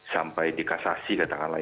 sampai di kasasi katakanlah